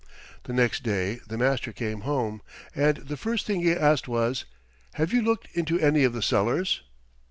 The next day the master came home, and the first thing he asked was, "Have you looked into any of the cellars?"